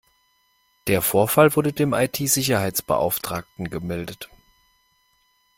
Der Vorfall wurde dem I-T-Sicherheitsbeauftragten gemeldet.